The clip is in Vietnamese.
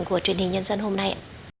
của truyền hình nhân dân hôm nay